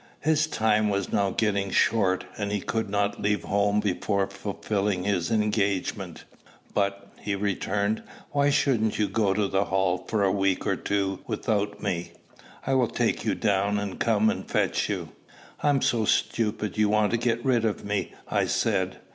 His time was now getting short, and he could not leave home before fulfilling his engagement. "But," he returned, "why shouldn't you go to the Hall for a week or two without me? I will take you down, and come and fetch you." "I'm so stupid you want to get rid of me!" I said.